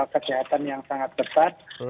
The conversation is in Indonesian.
kesehatan yang sangat tepat